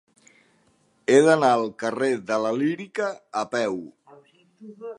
He d'anar al carrer de la Lírica a peu.